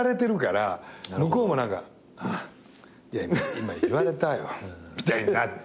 今言われたよみたいになって。